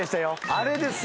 あれですよ。